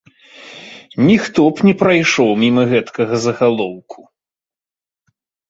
Ніхто б не прайшоў міма гэткага загалоўку.